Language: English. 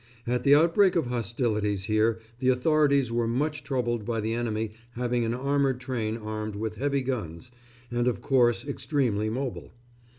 At the outbreak of hostilities here the authorities were much troubled by the enemy having an armoured train armed with heavy guns, and of course extremely mobile.